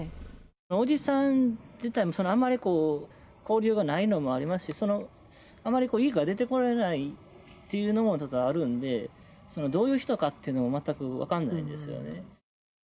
伯父さん自体もあんまり交流がないのもありますし、あまり家から出てこられないっていうのもちょっとあるんで、どういう人かっていうのも全く分かんないんですよね。